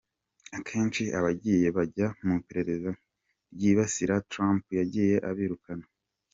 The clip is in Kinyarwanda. Akenshi abagiye bajya mu iperereza ryibasira Trump, yagiye abirukana.